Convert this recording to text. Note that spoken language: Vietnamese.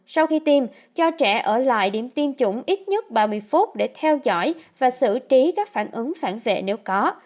sau khi tiêm cho trẻ ở lại điểm tiêm chủng ít nhất ba mươi phút để theo dõi và xử trí các phản ứng phản vệ nếu có